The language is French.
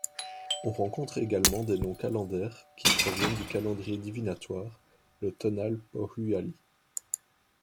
On rencontre également des noms calendaires qui proviennent du calendrier divinatoire, le tonalpohualli.